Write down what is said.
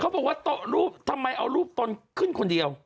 เขาบอกว่าทำไมเอารูปตนขึ้นคนเดียว